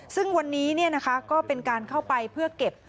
ซึ่งวันนี้ก็เป็นการเข้าไปเพื่อเก็บ